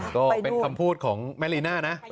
ก็เป็นคำพูดของแม่ลีน่านะ